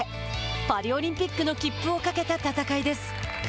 パリオリンピックの切符をかけた戦いです。